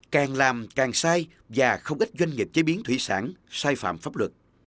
càng làm càng sai và không ít doanh nghiệp chế biến thủy sản sai phạm pháp luật